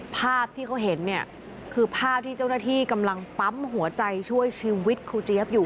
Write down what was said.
ภาพที่เขาเห็นเนี่ยคือภาพที่เจ้าหน้าที่กำลังปั๊มหัวใจช่วยชีวิตครูเจี๊ยบอยู่